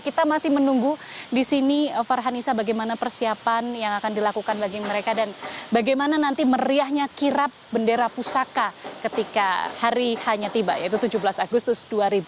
kita masih menunggu di sini farhanisa bagaimana persiapan yang akan dilakukan bagi mereka dan bagaimana nanti meriahnya kirap bendera pusaka ketika hari hanya tiba yaitu tujuh belas agustus dua ribu dua puluh